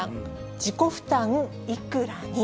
自己負担いくらに？